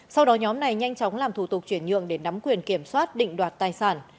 sau đó nhóm này nhanh chóng làm thủ tục chuyển nhượng để nắm quyền kiểm soát định đoạt tài sản